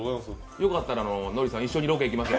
よかったら、のりさん、一緒にロケに行きましょう。